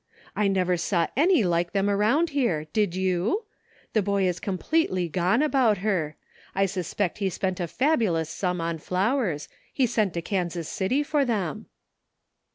I never saw any like them aroimd here, did you? The boy is completely gone about her. I sus pect he spent a fabulous sum on flowers. He sent to Kansas City for them."